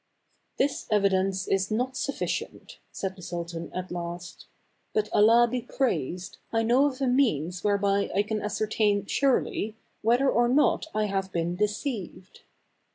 " This evidence is not suf ficient," said the sultan at last j "but Allah be praised, I know of a means whereby I can ascertain surely, whether or n0 ^ I have been deceived."